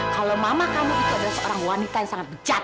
kalau mama kamu itu adalah seorang wanita yang sangat bijak